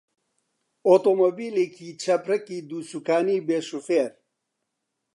ئۆتۆمبێلێکی چەپرەکی دووسوکانی بێ شۆفێر؟